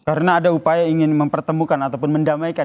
karena ada upaya ingin mempertemukan ataupun mendamaikan